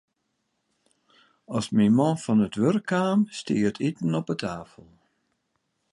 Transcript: As myn man fan it wurk kaam, stie it iten op 'e tafel.